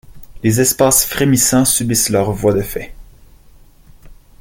Les espaces frémissants subissent leurs voies de fait.